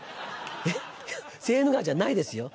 えっセーヌ川じゃないですよ？